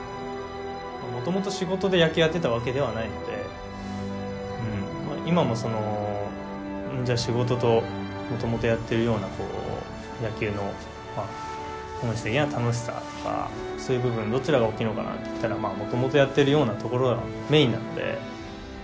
もともと仕事で野球やってたわけではないのでうん今もそのじゃあ仕事ともともとやってるような野球のまあ本質的な楽しさとかそういう部分どちらが大きいのかなって言ったらまあもともとやってるようなところがメインなので。